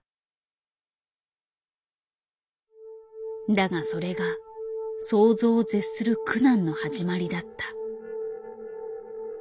だがそれが想像を絶する苦難の始まりだった。